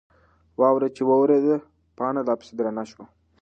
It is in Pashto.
واوره چې وورېده، پاڼه لا پسې درنه شوه.